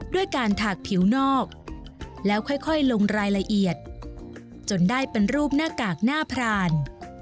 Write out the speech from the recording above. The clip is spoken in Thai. ด้วยการถากผิวนอกแล้วค่อยลงรายละเอียดจนได้เป็นรูปหน้ากากหน้าพราน